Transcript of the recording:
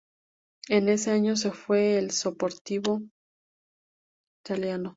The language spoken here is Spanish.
En ese año se fue al Sportivo Italiano.